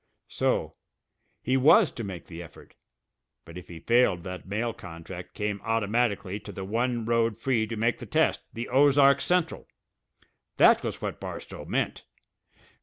So! He was to make the effort; but if he failed that mail contract came automatically to the one road free to make the test, the Ozark Central! That was what Barstow meant!